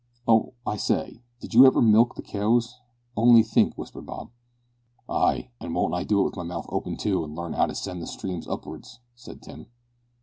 "Oh! I say! Did you ever! Milk the keows! On'y think!" whispered Bob. "Ay, an' won't I do it with my mouth open too, an' learn 'ow to send the stream up'ards!" said Tim.